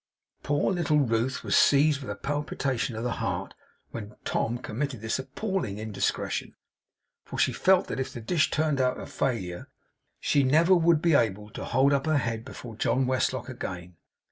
Poor little Ruth was seized with a palpitation of the heart when Tom committed this appalling indiscretion, for she felt that if the dish turned out a failure, she never would be able to hold up her head before John Westlock again.